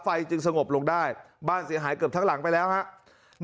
จึงสงบลงได้บ้านเสียหายเกือบทั้งหลังไปแล้วครับ